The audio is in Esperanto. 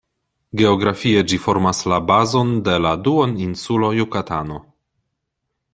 Geografie ĝi formas la bazon de la duoninsulo Jukatano.